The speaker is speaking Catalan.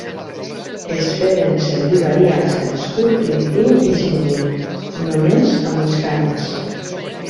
Es feren servir variants de l'escut primitiu i genuí, només amb les canyes.